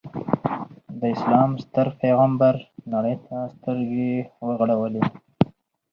د اسلام ستر پیغمبر نړۍ ته سترګې وغړولې.